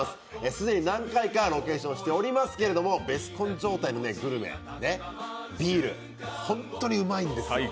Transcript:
既に何回かロケーションしておりますけれどもベスコン状態のグルメ、ビール、本当にうまいんですよ